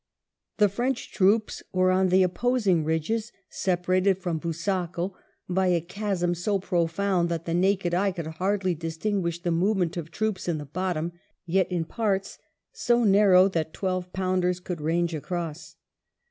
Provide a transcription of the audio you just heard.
The French troops were on the opposing ridges, separated from Busaco "by a chasm so profound that the naked eye could hardly distinguish the move ment of troops in the bottom, yet in parts so narrow that twelve pounders could range across."